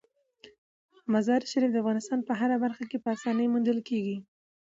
مزارشریف د افغانستان په هره برخه کې په اسانۍ موندل کېږي.